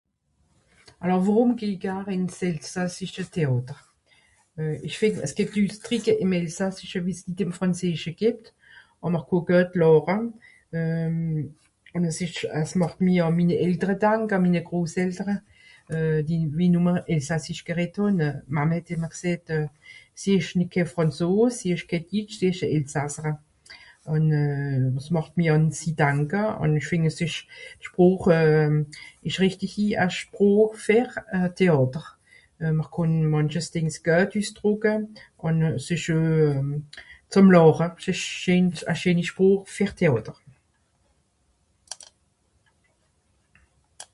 Alors worùm geh i garn ìn s'Elsassische Téàter ? Euh ìch fìnd es gìbbt Üssdrìcke ìm Elsàss (...) frànzeesche gìbbt. Hàà mr (...) làche. Euh... ùn es ìsch... es màcht mich àn minne Eltere denke, minne Grosltere, euh... die... wie nùmme Elsassisch gereddt hàn. Euh... d'Màmme het ìmmer gsäät sie ìsch ké frànzos, sie ìsch ké ditsch sie ìsch Elsassere. Dìs màcht mi àn sie danka ùn ìch fìnd es ìsch, d'Sproch euh... ìsch rìchtichi a Sproch fer euh... Teàter. Mìr kànn mànches Dìng güet üssdrùcke ùn es ìsch euh... zem làche. S'ìsch scheen... a scheeni Sproch fer Teàter.